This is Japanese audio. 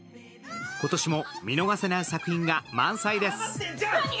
今年も見逃せない作品が満載です。